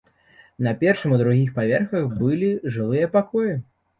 На першым і другім паверхах былі жылыя пакоі.